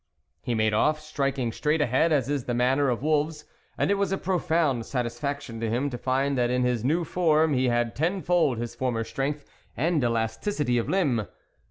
He made off, striking straight ahead, as is the manner of wolves, and it was a profound satisfaction to him to find that in his new form he had tenfold his former strength and elasticity of limb.